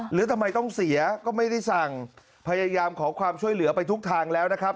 หรือทำไมต้องเสียก็ไม่ได้สั่งพยายามขอความช่วยเหลือไปทุกทางแล้วนะครับ